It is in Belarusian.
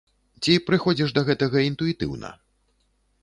Ці прыходзіш да гэтага інтуітыўна?